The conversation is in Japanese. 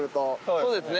そうですね。